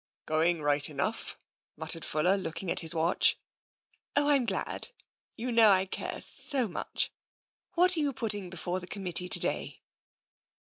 " Going right enough," muttered Fuller, looking at his watch. " Oh, I'm glad. You know I care so much. What are you putting before the committee to day?